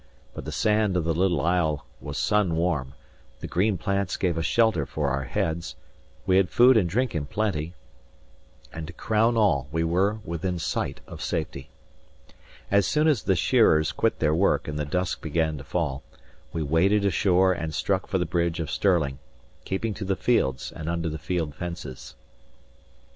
But the sand of the little isle was sun warm, the green plants gave us shelter for our heads, we had food and drink in plenty; and to crown all, we were within sight of safety. As soon as the shearers quit their work and the dusk began to fall, we waded ashore and struck for the Bridge of Stirling, keeping to the fields and under the field fences.